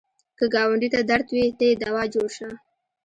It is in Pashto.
که ګاونډي ته درد وي، ته یې دوا جوړ شه